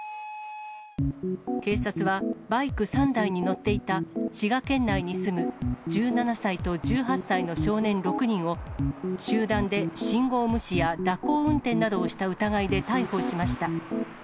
警察はバイク３台に乗っていた滋賀県内に住む１７歳と１８歳の少年６人を、集団で信号無視や蛇行運転などをした疑いで逮捕しました。